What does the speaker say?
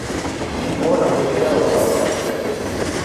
No van aprofitar la seva força.